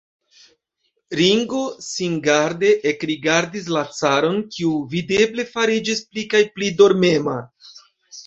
Ringo singarde ekrigardis la caron, kiu videble fariĝis pli kaj pli dormema.